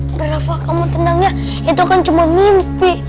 udah rafa kamu tenang ya itu kan cuma mimpi